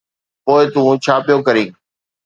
پوءِ تون ڇا پيو ڪرين؟